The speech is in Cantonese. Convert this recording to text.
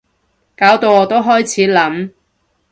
搞到我都開始諗